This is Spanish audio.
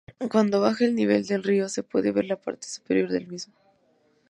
Cuando baja el nivel del río se puede ver la parte superior del mismo.